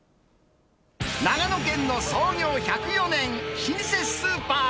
長野県の創業１０４年、老舗スーパー。